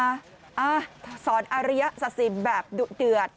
อ้าวสอนอาริยสศิมพย์แบบเดือด